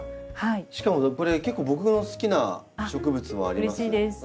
しかもこれ結構僕の好きな植物もあります。